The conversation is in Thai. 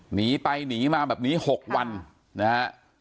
หนีไปหนีมาแบบนี้๖วันนะฮะ